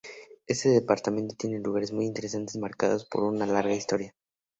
Este departamento tiene lugares muy interesantes marcados por una larga historia.